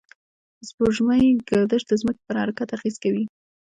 د سپوږمۍ گردش د ځمکې پر حرکت اغېز کوي.